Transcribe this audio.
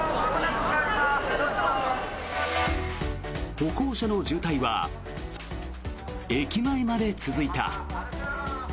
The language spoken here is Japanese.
歩行者の渋滞は駅前まで続いた。